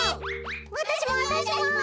わたしもわたしも！